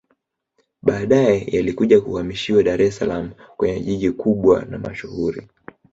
Baadae yalikuja kuhamishiwa Dar es salaam kwenye jiji kubwa na mashuhuri